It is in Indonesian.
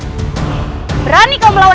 sebelumnya saya akan membuat